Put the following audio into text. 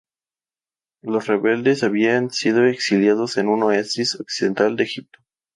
Los rebeldes habían sido exiliados a un oasis occidental de Egipto.